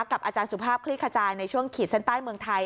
กับอาจารย์สุภาพคลิกขจาลในช่วงขีดเซ็นต์ใต้เมืองไทย